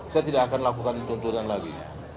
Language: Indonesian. saya tidak akan lakukan tuntutan lagi